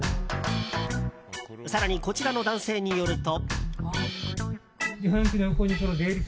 更に、こちらの男性によると。